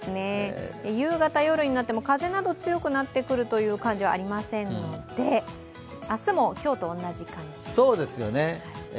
夕方・夜になっても風など強くなってくる感じはありませんので明日も今日と同じ感じですね。